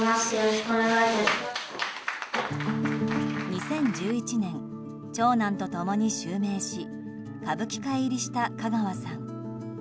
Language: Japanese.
２０１１年、長男と共に襲名し歌舞伎界入りした香川さん。